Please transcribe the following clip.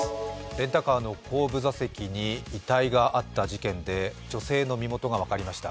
レンタカーの後部座席に遺体があった事件で女性の身元が分かりました。